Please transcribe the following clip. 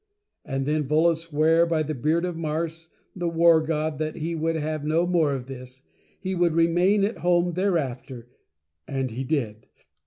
And then Volos swore by the Beard of Mars, the War God, that he would have no more of this — He would Re main at Home thereafter And he Did.